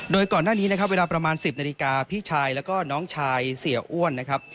โดยก่อนหน้านี้นะครับเวลาประมาณ๑๐นาฬิกาพี่ชายแล้วก็น้องชายเสียอ้วนนะครับ